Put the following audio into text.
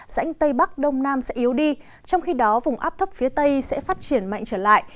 rãnh tây bắc đông nam sẽ yếu đi trong khi đó vùng áp thấp phía tây sẽ phát triển mạnh trở lại